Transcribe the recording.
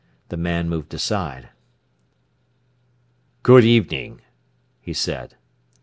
The man moved aside. "Good evening!" he said.